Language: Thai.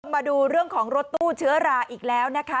มาดูเรื่องของรถตู้เชื้อราอีกแล้วนะคะ